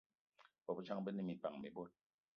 Bôbejang be ne minpan mi bot